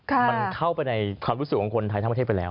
มันเข้าไปในความรู้สึกของคนไทยทั้งประเทศไปแล้ว